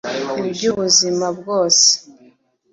Iby’ubuzima bwose (lifelong)